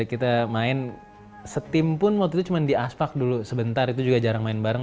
kita main setim pun waktu itu cuma di aspak dulu sebentar itu juga jarang main bareng